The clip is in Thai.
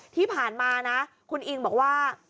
ที่ผ่านมานะคุณอิงบอกว่า